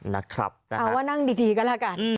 เอาว่านั่งดีก็แล้วกัน